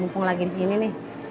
mumpung lagi disini nih